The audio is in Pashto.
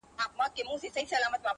o د خپلي ژبي په بلا.